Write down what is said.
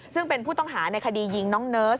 ซึ่งเป็นผู้ต้องหาในคดียิงน้องเนิร์ด